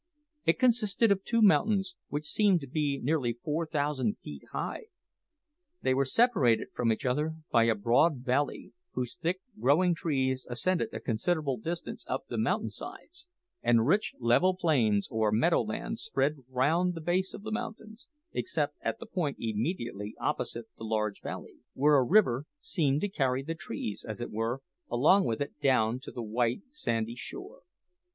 It consisted of two mountains, which seemed to be nearly four thousand feet high. They were separated from each other by a broad valley, whose thick growing trees ascended a considerable distance up the mountain sides; and rich, level plains or meadow land spread round the base of the mountains, except at the point immediately opposite the large valley, where a river seemed to carry the trees, as it were, along with it down to the white, sandy shore.